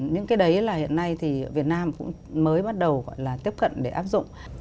những cái đấy là hiện nay thì việt nam cũng mới bắt đầu gọi là tiếp cận để áp dụng